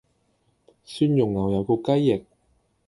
蒜蓉牛油焗雞翼